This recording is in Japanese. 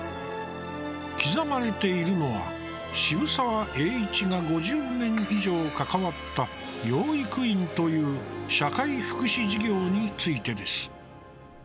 刻まれているのは渋沢栄一が５０年以上関わった養育院という社会福祉事業についてです。